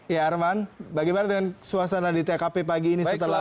ya arman bagaimana dengan suasana di tkp pagi ini setelah